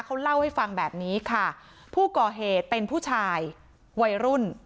เขาเล่าให้ฟังแบบนี้ค่ะผู้ก่อเหตุเป็นผู้ชายวัยรุ่น